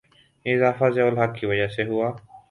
یہ اضافہ ضیاء الحق کی وجہ سے ہوا؟